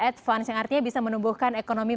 advance yang artinya bisa menumbuhkan ekonomi